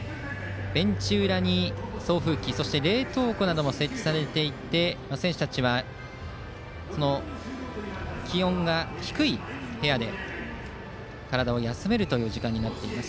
ベンチ裏に送風機、そして冷凍庫なども設置されていて選手たちは気温が低い部屋で体を休める時間となっています。